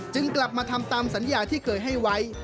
กลับมาทำตามสัญญาที่เคยให้ไว้